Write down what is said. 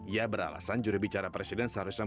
ia beralasan jurubicara presiden seharusnya memperkuat